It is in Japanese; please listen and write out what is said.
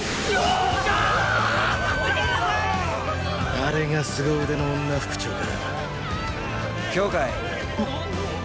・あれが凄腕の女副長か。